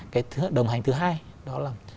cái đồng hành thứ hai đó là